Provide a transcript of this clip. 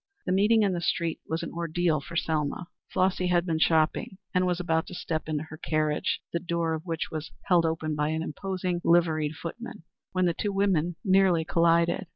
The meeting in the street was an ordeal for Selma. Flossy had been shopping and was about to step into her carriage, the door of which was held open by an imposing liveried footman, when the two women nearly collided.